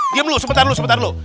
diam dulu sebentar dulu sebentar dulu